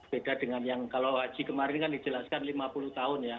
beda dengan yang kalau haji kemarin kan dijelaskan lima puluh tahun ya